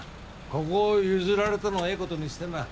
ここを譲られたのをいいことにしてな